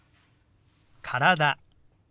「体」。